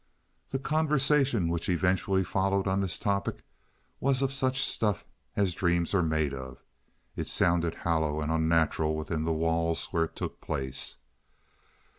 The conversation which eventually followed on this topic was of such stuff as dreams are made of. It sounded hollow and unnatural within the walls where it took place.